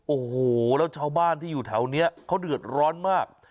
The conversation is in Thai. โอ้โหแล้วชาวบ้านที่อยู่แถวนี้เขาเดือดร้อนมาก